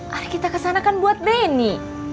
hari kita kesana kan buat deni